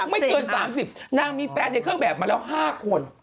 ไม่เกิน๓๐นางมีแฟนในเครื่องแบบมาแล้ว๕คน